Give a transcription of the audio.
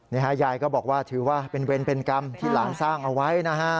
ยายก็บอกว่าถือว่าเป็นเวรเป็นกรรมที่หลานสร้างเอาไว้นะฮะ